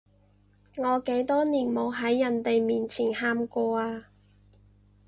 我幾多年冇喺人哋面前喊過啊